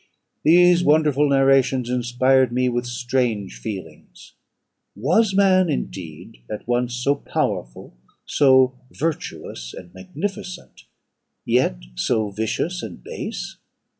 "These wonderful narrations inspired me with strange feelings. Was man, indeed, at once so powerful, so virtuous, and magnificent, yet so vicious and base?